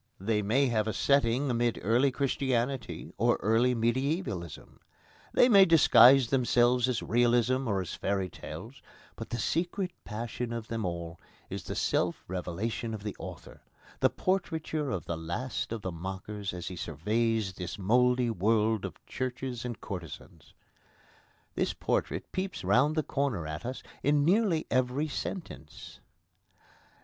They may have a setting amid early Christianity or early Mediævalism; they may disguise themselves as realism or as fairy tales; but the secret passion of them all is the self revelation of the author the portraiture of the last of the mockers as he surveys this mouldy world of churches and courtesans. This portrait peeps round the corner at us in nearly every sentence.